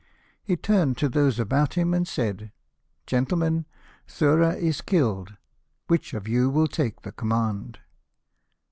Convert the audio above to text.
He turned to those about him, and said, " Gentlemen, Thura is killed ; which of you will take the command